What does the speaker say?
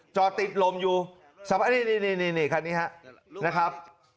จอติดลมอยู่นี่คันนี้ครับ